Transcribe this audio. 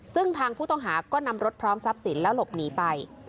ซึ่งทางผู้ต้องหาก็นำรถพร้อมทรัพย์สินแล้วหลบหนีไป